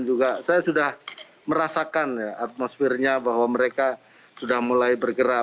juga saya sudah merasakan ya atmosfernya bahwa mereka sudah mulai bergerak